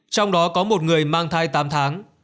trong đó có một người mang thai tám tháng